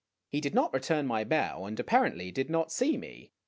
He did not return my bow, and apparently did not see me.